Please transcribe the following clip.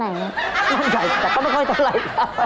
มั่นใจแต่ก็ไม่ค่อยเท่าไหร่